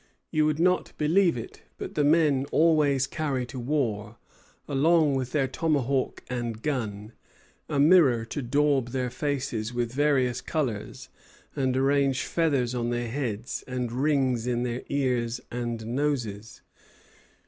You would not believe it, but the men always carry to war, along with their tomahawk and gun, a mirror to daub their faces with various colors, and arrange feathers on their heads and rings in their ears and noses.